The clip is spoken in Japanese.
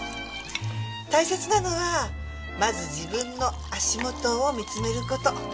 大切なのはまず自分の足元を見つめる事。